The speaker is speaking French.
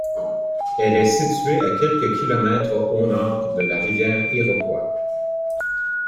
Elle est située à quelques kilomètres au nord de la rivière Iroquois.